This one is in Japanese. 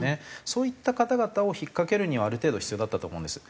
そういった方々を引っかけるにはある程度必要だったと思うんです。